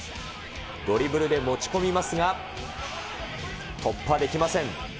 ドリブルで持ち込みますが、突破できません。